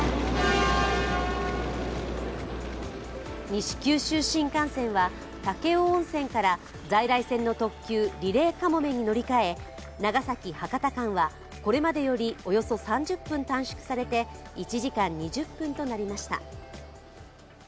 西九州新幹線は武雄温泉から在来線の特急リレーかもめに乗り換え長崎−博多間はこれまでよりおよそ３０分短縮されて１時間２０分となりました。